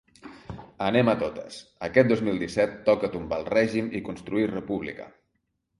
Anem a totes, aquest dos mil disset toca tombar el règim i construir república.